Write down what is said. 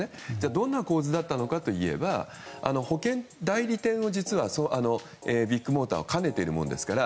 どんな構図だったかといえば保険代理店をビッグモーターは兼ねているものですから。